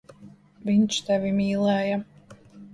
Viņš tevi mīlēja.